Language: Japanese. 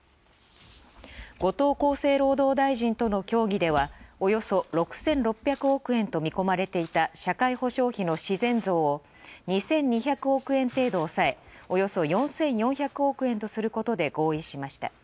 後藤厚生労働大臣との協議ではおよそ６６００億円と見込まれていた社会保険費の自然増を２２００億円程度抑え、およそ４４００億円とすることで合意しました。